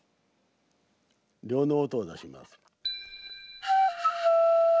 呂の音を出します。